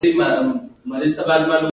دا د انساني کرامت ښکاره لازمه ده.